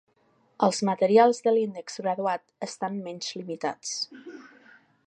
Els materials de l'índex graduat estan menys limitats.